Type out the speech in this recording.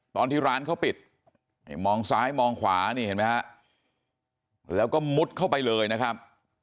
ตอนที่ร้านเขาปิดมองซ้ายมองขวานี่เห็นไหมฮะแล้วก็มุดเข้าไปเลยนะครับ